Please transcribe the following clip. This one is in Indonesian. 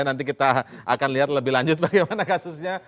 nanti kita akan lihat lebih lanjut bagaimana kasusnya